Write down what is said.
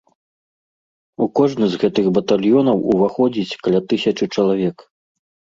У кожны з гэтых батальёнаў уваходзіць каля тысячы чалавек.